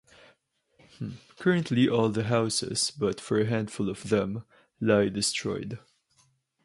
Currently all the houses, but for a handful of them, lie destroyed.